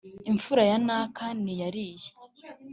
Imfura ya naka ni iyariye